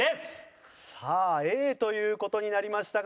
さあＡという事になりましたが。